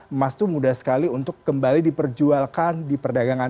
emas itu mudah sekali untuk kembali diperjualkan di perdagangan